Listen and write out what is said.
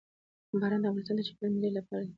باران د افغانستان د چاپیریال د مدیریت لپاره دی.